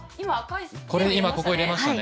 これ今ここ入れましたね。